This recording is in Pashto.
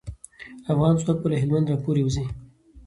افغان ځواک به له هلمند راپوری وځي.